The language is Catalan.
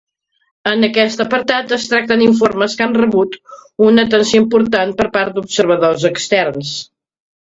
En aquest apartat es tracten informes que han rebut una atenció important per part d'observadors externs.